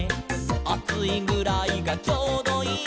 「『あついぐらいがちょうどいい』」